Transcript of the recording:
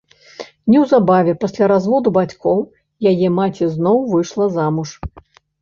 Неўзабаве пасля разводу бацькоў яе маці зноў выйшла замуж.